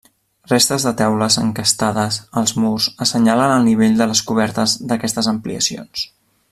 Restes de teules encastades als murs assenyalen el nivell de les cobertes d'aquestes ampliacions.